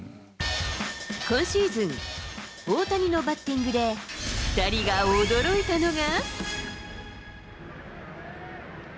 今シーズン、大谷のバッティングで２人が驚いたのが。